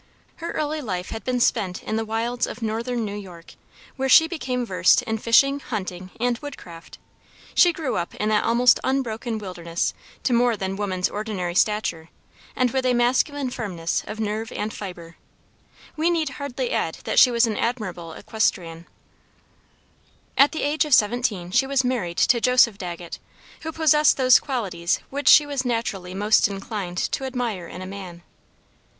Her early life had been spent in the wilds of Northern New York, where she became versed in fishing, hunting, and wood craft. She grew up in that almost unbroken wilderness to more than woman's ordinary stature, and with a masculine firmness of nerve and fiber. We need hardly add that she was an admirable equestrienne. At the age of seventeen she was married to Joseph Dagget, who possessed those qualities which she was naturally most inclined to admire in a man.